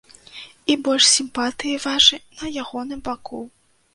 І больш сімпатыі вашы на ягоным баку.